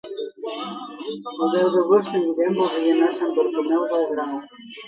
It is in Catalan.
El deu d'agost en Guillem voldria anar a Sant Bartomeu del Grau.